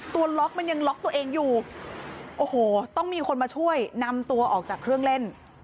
ล็อกมันยังล็อกตัวเองอยู่โอ้โหต้องมีคนมาช่วยนำตัวออกจากเครื่องเล่น